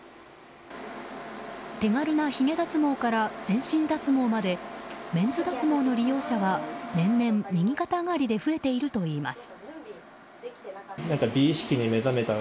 手軽なひげ脱毛から全身脱毛までメンズ脱毛の利用者は年々、右肩上がりで増えているといいます。